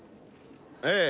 ええ。